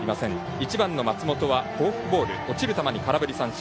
１番の松本はフォークボール落ちる球に空振り三振。